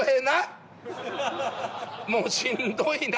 もうしんどいな！